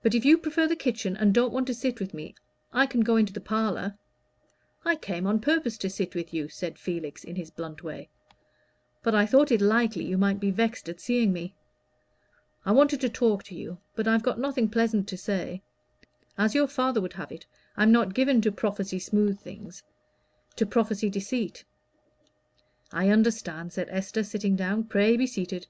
But if you prefer the kitchen, and don't want to sit with me, I can go into the parlor." "I came on purpose to sit with you," said Felix, in his blunt way, "but I thought it likely you might be vexed at seeing me. I wanted to talk to you, but I've got nothing pleasant to say. As your father would have it, I'm not given to prophesy smooth things to prophesy deceit." "I understand," said Esther, sitting down. "Pray be seated.